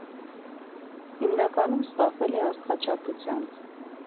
Հիմնականում զբաղվել է աստղաչափությամբ։